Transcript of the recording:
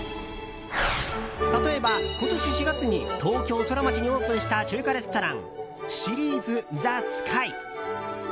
例えば、今年４月に東京ソラマチにオープンした中華レストランＳｅｒｉｅｓｔｈｅＳｋｙ。